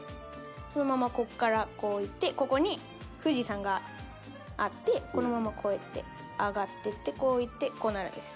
そのままここからこういってここに富士山があってこのままこうやって上がっていってこういってこうなるんです。